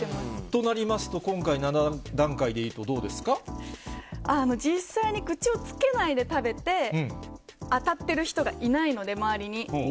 となりますと、今回、７段階実際に口をつけないで食べて、あたってる人がいないので、周りに。